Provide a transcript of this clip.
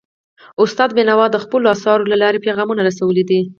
استاد بینوا د خپلو اثارو له لارې پیغامونه رسولي دي.